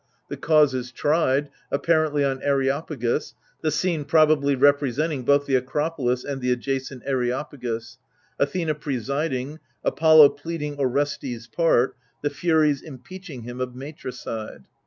The cause is tried, apparently on Areopagus — (the scene probably representing both the Acropolis and the adjacent Areopagus) — Athena presiding, Apollo pleading Orestes' part, the Furies impeaching him of matricide.